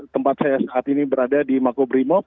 tempat saya saat ini berada di mako primot